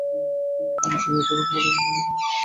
তিনি Order of Bath এবং DSO গ্রহণে অসম্মতি জ্ঞাপন করেন।